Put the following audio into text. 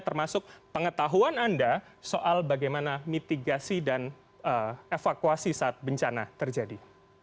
termasuk pengetahuan anda soal bagaimana mitigasi dan evakuasi saat bencana terjadi